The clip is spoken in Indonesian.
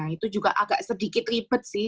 itu juga agak sedikit ribet sih